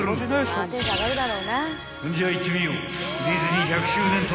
［ほんじゃいってみよう］